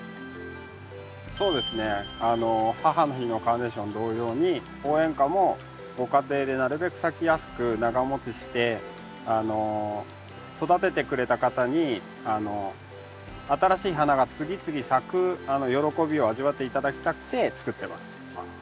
そうですね母の日のカーネーション同様に応援花もご家庭でなるべく咲きやすく長もちして育ててくれた方に新しい花が次々咲く喜びを味わって頂きたくてつくってます。